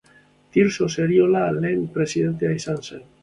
Tirso Seriola lehen presidentea izan zen.